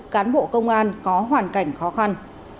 cán bộ công an có hoàn cảnh khó khăn